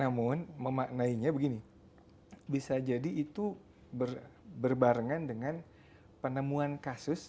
namun memaknainya begini bisa jadi itu berbarengan dengan penemuan kasus